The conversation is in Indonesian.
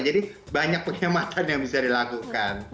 jadi banyak pengkhianatan yang bisa dilakukan